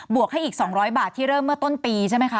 วกให้อีก๒๐๐บาทที่เริ่มเมื่อต้นปีใช่ไหมคะ